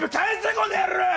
この野郎！